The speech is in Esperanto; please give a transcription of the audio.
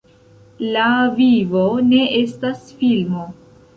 La vivo ne estas filmo.